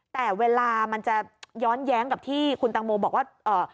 แต่เวลามันจะย้อนแย้งกับที่คุณตังโมบอกว่าเอ่อ